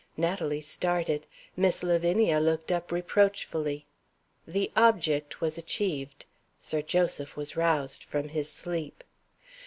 Natalie started. Miss Lavinia looked up reproachfully. The object was achieved Sir Joseph was roused from his sleep.